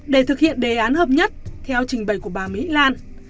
để thực hiện đề án hợp nhất theo trình bày của bà mỹ lan